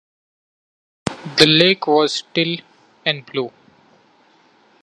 The lake was still and blue.